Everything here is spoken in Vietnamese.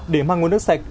để mang nguồn nước sạch